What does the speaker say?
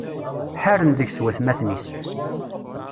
Ḥaren deg-s watmaten-is.